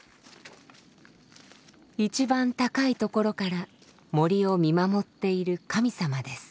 一番高いところから森を見守っている神様です。